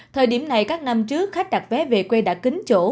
thời điểm này các năm trước khách đặt vé về quê đã kín